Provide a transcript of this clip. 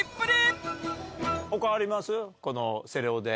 このセレオで。